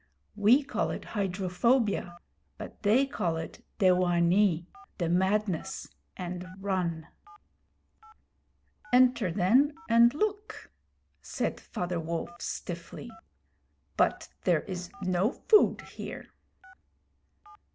We call it hydrophobia, but they call it dewanee the madness and run. 'Enter, then, and look,' said Father Wolf, stiffly; 'but there is no food here.'